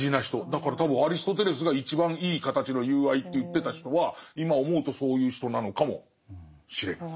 だから多分アリストテレスが一番いい形の友愛って言ってた人は今思うとそういう人なのかもしれない。